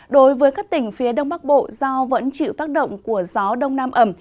đối với các tỉnh phía đông bắc bộ do vẫn chịu tác động của gió đông nam ẩm